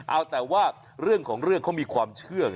เอาแต่ว่าเรื่องของเรื่องเขามีความเชื่อไง